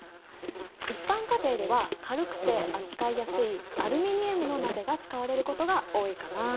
一般家庭では軽くて扱いやすいアルミニウムの鍋が使われることが多いかな。